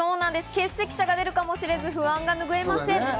欠席者が出るかもしれず不安がぬぐえません。